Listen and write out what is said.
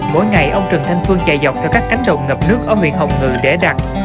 mỗi ngày ông trần thanh phương chạy dọc theo các cánh đồng ngập nước ở huyện hồng ngự để đặt